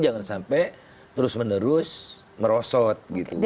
jangan sampai terus menerus merosot gitu